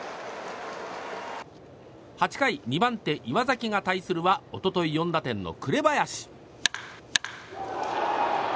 ８回、２番手岩崎が対するは一昨日４打点の紅林。